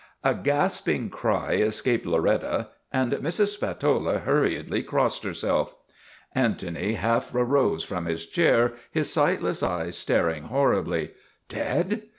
A gasping cry escaped Loretta, and Mrs. Spatola hurriedly crossed herself. Antony half rose from his chair, his sightless eyes staring horribly. " Dead?